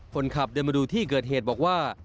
คนขับเดินมาดูที่เกิดเหตุบอกว่า